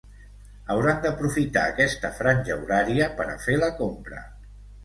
Hauran d’aprofitar aquesta franja horària per a fer la compra.